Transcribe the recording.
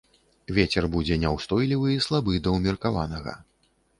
Вецер будзе няўстойлівы слабы да ўмеркаванага.